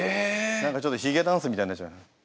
何かちょっとヒゲダンスみたいになっちゃいます。